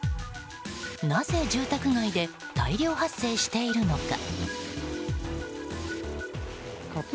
なぜ住宅街で大量発生しているのか。